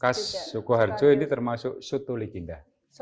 khas sukuharjo ini termasuk soto legenda